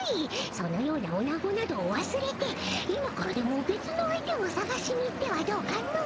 そのようなオナゴなどわすれて今からでもべつの相手をさがしに行ってはどうかの。